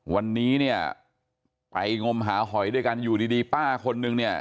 วันนี้เนี่ยไปงมหาหอยด้วยกันอยู่ดีป้าคนนึงเนี่ย